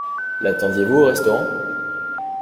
L’attendiez-vous au restaurant?